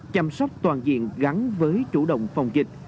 chăm sóc toàn diện gắn với chủ động phòng dịch